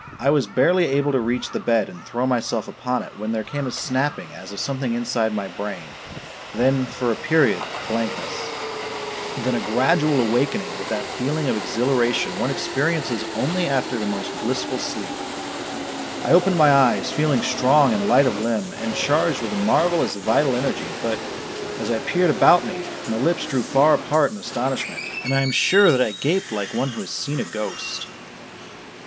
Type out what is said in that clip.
I was barely able to reach the bed and throw myself upon it when there came a snapping as of something inside my brain ... then, for a period, blankness ... then a gradual awakening with that feeling of exhilaration one experiences only after the most blissful sleep. I opened my eyes, feeling strong and light of limb and charged with a marvelous vital energy but, as I peered about me, my lips drew far apart in astonishment, and I am sure that I gaped like one who has seen a ghost.